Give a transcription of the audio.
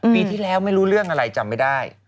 ปีที่แล้วไม่รู้เรื่องอะไรจำไม่ได้